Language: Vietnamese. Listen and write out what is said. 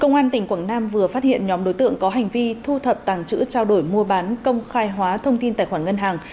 công an tỉnh quảng nam vừa phát hiện nhóm đối tượng có hành vi thu thập tàng chữ trao đổi mua bán công khai hóa thông tin tài khoản ngân hàng